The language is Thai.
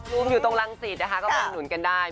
รูมอยู่ตรงรังสิทธิ์นะคะก็คุณหนุนกันได้